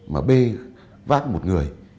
mà bê vát một người